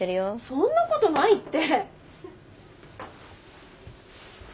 そんなことないって。